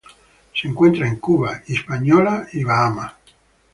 Se encuentra en Cuba, Hispaniola y Bahamas.